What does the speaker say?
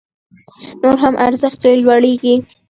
نور هم ارزښت يې لوړيږي